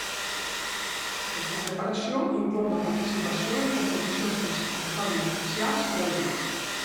Aquesta preparació inclou la participació en competicions classificatòries oficials prèvies.